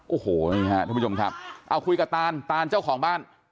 โอ้โหทุกผู้ชมครับคุยกับตานเจ้าของบ้าน